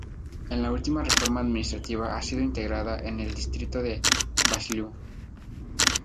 En la última reforma administrativa ha sido integrada en el distrito de Vaslui.